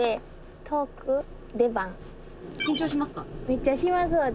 めっちゃします私。